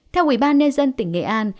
theo ubnd tỉnh nghệ an